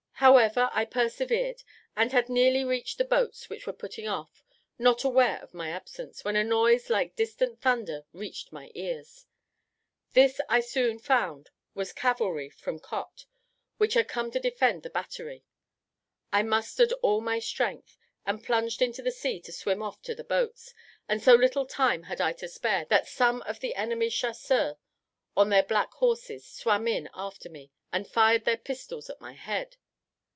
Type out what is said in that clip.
However, I persevered, and had nearly reached the boats which were putting off, not aware of my absence, when a noise like distant thunder reached my ears. This I soon found was cavalry from Cotte, which had come to defend the battery. I mustered all my strength, and plunged into the sea to swim off to the boats, and so little time had I to spare, that some of the enemy's chasseurs, on their black horses, swam in after me, and fired their pistols at my head.